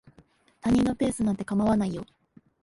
他人のペースなんて構わないよ。